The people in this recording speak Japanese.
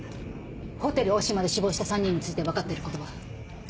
ホテルオシマで死亡した３人について分かってることは？